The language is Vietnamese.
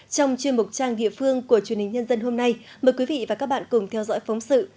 trong chuyên mục trang địa phương của truyền hình nhân dân hôm nay mời quý vị và các bạn cùng theo dõi phóng sự